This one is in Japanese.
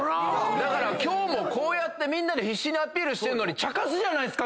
だから今日もみんなで必死にアピールしてんのにちゃかすじゃないっすか！